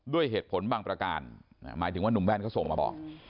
ด้วยเหตุผลบางประการหมายถึงว่านุ่มแว่นเขาส่งมาบอก